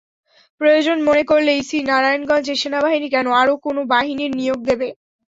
প্রয়োজন মনে করলে ইসি নারায়ণগঞ্জে সেনাবাহিনী কেন, আরও কোনো বাহিনীর নিয়োগ দেবে।